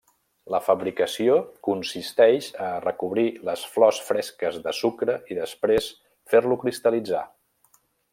La fabricació consisteix a recobrir les flors fresques de sucre i després fer-lo cristal·litzar.